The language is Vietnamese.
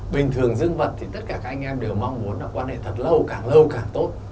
bình thường dương vật thì tất cả các anh em đều mong muốn là quan hệ thật lâu càng lâu càng tốt